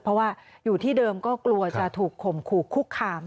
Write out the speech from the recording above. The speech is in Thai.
เพราะว่าอยู่ที่เดิมก็กลัวจะถูกข่มขู่คุกคาม